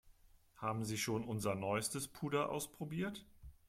Haben Sie schon unser neuestes Puder ausprobiert?